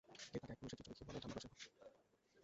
সে তাকে এক পুরুষের চিত্র দেখিয়ে বলে এটা মানসিংহ।